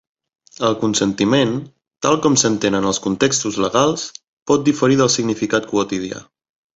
El consentiment, tal com s'entén en els contextos legals, pot diferir del significat quotidià.